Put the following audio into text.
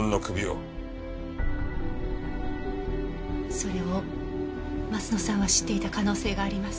それを鱒乃さんは知っていた可能性があります。